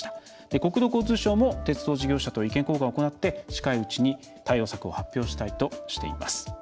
国土交通省も鉄道事業者と意見交換を行って近いうちに対応策を発表したいとしています。